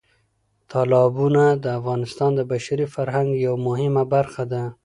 تالابونه د افغانستان د بشري فرهنګ یوه مهمه برخه ده.